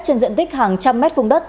trên diện tích hàng trăm mét vùng đất